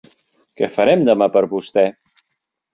Què farem demà per vostè?